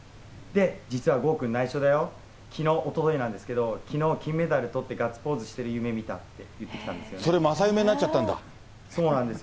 実は豪君、ないしょだよ、きのう、おとといなんですけど、きのう金メダルとってガッツポーズしてる夢見たって言ってたんでそれ、正夢になっちゃったんそうなんですよ。